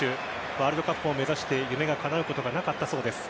ワールドカップを目指して夢がかなうことがなかったそうです。